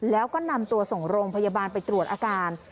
แล้วก็นำตัวส่งโรงพยาบาลไปตรวจอาการ